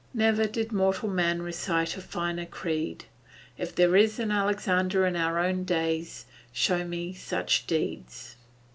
Never did mortal man recite a finer creed. If there is an Alexander in our own days, show me such deeds.